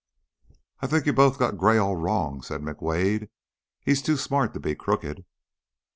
"I think you've both got Gray all wrong," said McWade. "He's too smart to be crooked."